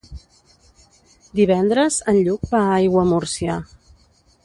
Divendres en Lluc va a Aiguamúrcia.